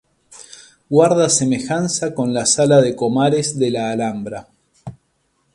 Guarda semejanza con la sala de Comares de la Alhambra.